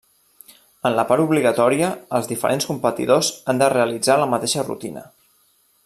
En la part obligatòria, els diferents competidors han de realitzar la mateixa rutina.